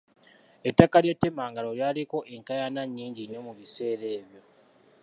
Ettaka ly'e Temangalo lyaliko enkaayana nnyingi nnyo mu biseera ebyo.